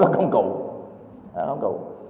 không có công cụ